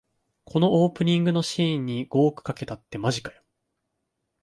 このオープニングのシーンに五億かけたってマジかよ